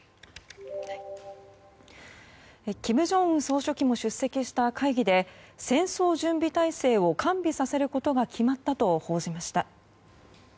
金正恩総書記も出席した会議で戦争準備態勢を完備させることが決まったと報じました。